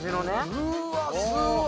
うわすごい！